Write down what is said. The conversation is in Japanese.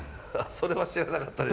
それは知らなかったです。